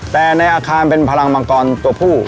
แต่ในอาคารเป็นพลังมังกรตัวผู้